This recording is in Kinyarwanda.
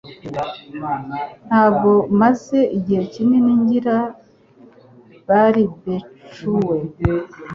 Ntabwo maze igihe kinini ngira barbecue.